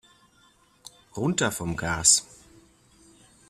Runter vom Gas!